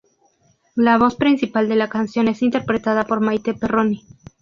La voz principal de la canción es interpretada por Maite Perroni.